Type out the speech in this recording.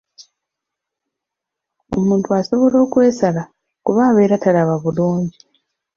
Omuntu asobola okwesala kuba abeera talaba bulungi.